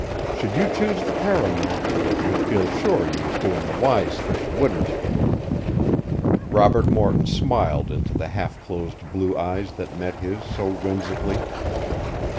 Should you choose the caramel, you'd feel sure you was doin' the wise thing, wouldn't you?" Robert Morton smiled into the half closed blue eyes that met his so whimsically.